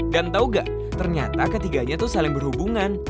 dan tau gak ternyata ketiganya tuh saling berhubungan